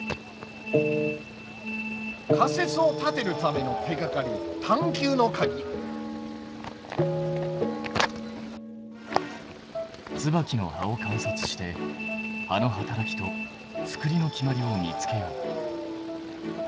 仮説を立てるための手がかりツバキの葉を観察して葉の働きとつくりの決まりを見つけよう。